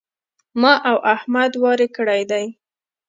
ما او احمد واری کړی دی.